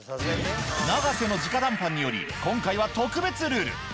永瀬のじか談判により、今回は特別ルール。